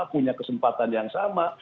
punya kesempatan yang sama